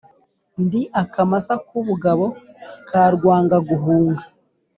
ndi akamasa k’ubugabo ka Rwangaguhunga